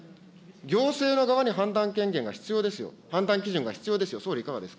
行政の側に判断権限が必要ですよ、判断基準が必要ですよ。